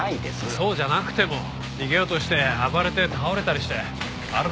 そうじゃなくても逃げようとして暴れて倒れたりしてあるだろ血が出ちゃう事。